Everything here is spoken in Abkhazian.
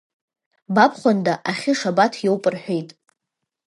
Бабхәында Ахьы Шабаҭ иоуп рҳәеит.